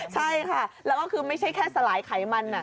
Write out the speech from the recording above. ใช่ค่ะแล้วก็คือไม่ใช่แค่สลายไขมัน